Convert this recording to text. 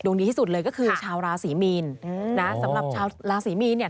ดีที่สุดเลยก็คือชาวราศรีมีนนะสำหรับชาวราศรีมีนเนี่ย